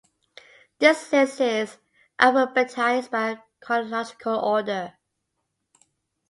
This list is alphabetized by chronological order.